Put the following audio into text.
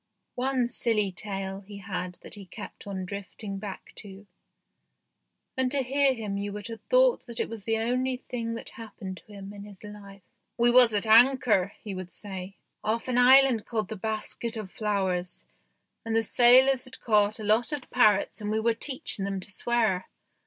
One silly tale he had that he kept on drifting back to, and to hear him you would have thought that it was the only thing that happened to him in his life. "We was at anchor," he would say, " off an island called the Basket of Flowers, and the sailors had caught a lot of parrots and we were teaching them to swear.